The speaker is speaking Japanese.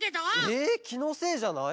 えきのせいじゃない？